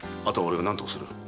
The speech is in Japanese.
あとは俺が何とかする。